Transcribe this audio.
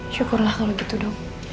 syukurlah kalau gitu dong